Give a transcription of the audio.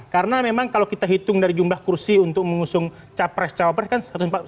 karena memang kalau kita hitung dari jumlah kursi untuk mengusung capres capres kan